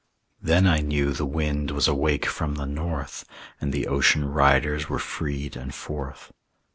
Then I knew the wind was awake from the North, And the ocean riders were freed and forth.